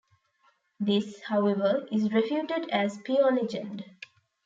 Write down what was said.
This, however, is refuted as pure legend.